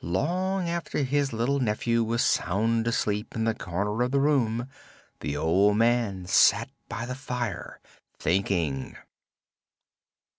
Long after his little nephew was sound asleep in the corner of the room the old man sat by the fire, thinking.